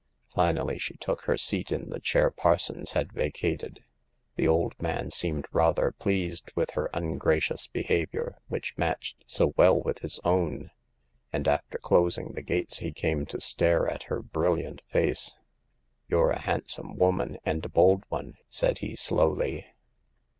Finally she took her seat in the chair Parsons had vacated. The old man seemed rather pleased with her ungracious behavior, which matched so well with his own ; and after closing the gates he came to stare at her brilliant face. '* You're a handsome woman, and a bold one,'* said he, slowly.